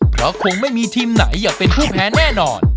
เพราะคงไม่มีทีมไหนอยากเป็นผู้แพ้แน่นอน